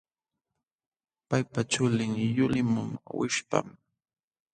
Paypa chulin yuliqmun wishpam.